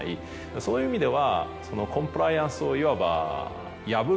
そういう意味では。